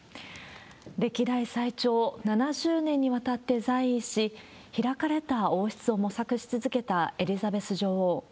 歴代最長７０年にわたって在位し、開かれた王室を模索し続けたエリザベス女王。